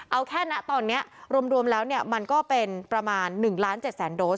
เอาแค่นั้นตอนนี้รวมรวมแล้วมันก็เป็นประมาณ๑๗๐๐๐๐๐โดส